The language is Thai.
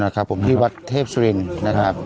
นะครับผมที่วัดเทพศริลป์จริงนะครับ